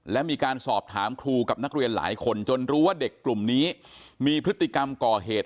และมีการสอบถามครูกับนักเรียนหลายคนจนรู้ว่าเด็กกลุ่มนี้มีพฤติกรรมก่อเหตุ